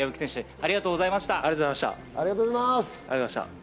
ありがとうございます。